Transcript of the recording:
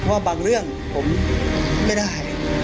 อันดับสุดท้าย